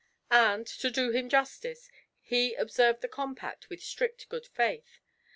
And to do him justice, he observed the compact with strict good faith.